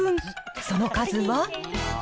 その数は？